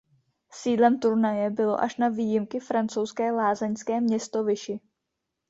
Sídlem turnaje bylo až na výjimky francouzské lázeňské město Vichy.